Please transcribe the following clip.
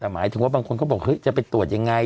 แต่หมายถึงว่าบางคนก็บอกเฮ้ยจะไปตรวจยังไง